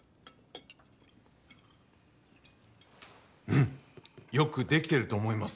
うんよく出来てると思います。